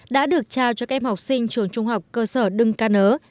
đã được trao cho các em học sinh trường trung học cơ sở đưng ca nớ